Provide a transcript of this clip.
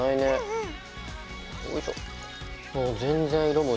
うん！